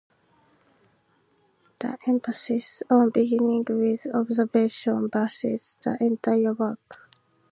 The emphasis on beginning with observation pervades the entire work.